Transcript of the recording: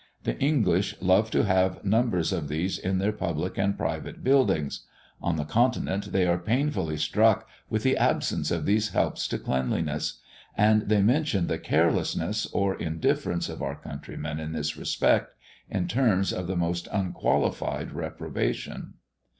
The English love to have numbers of these in their public and private buildings; on the Continent they are painfully struck with the absence of these helps to cleanliness; and they mention the carelessness or indifference of our countrymen in this respect in terms of the most unqualified reprobation.